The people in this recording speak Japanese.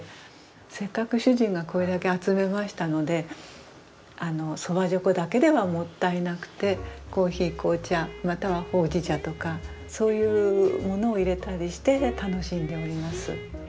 せっかく主人がこれだけ集めましたので蕎麦猪口だけではもったいなくてコーヒー紅茶またはほうじ茶とかそういうものを入れたりして楽しんでおります。